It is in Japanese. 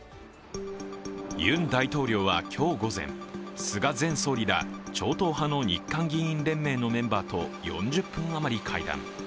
ユン大統領は今日午前菅前総理ら超党派の日韓議員連盟のメンバーと４０分余り会談。